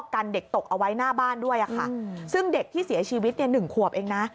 กรรดิ์เด็กตกเอาไว้หน้าบ้านด้วยค่ะซึ่งเด็กที่เสียชีวิต๑ขวบเองนะ